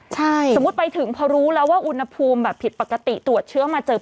ใช่สมมุติไปถึงพอรู้แล้วว่าอุณหภูมิแบบผิดปกติตรวจเชื้อมาเจอ